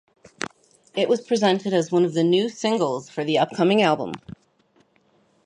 It was presented as one of the new singles for the upcoming album.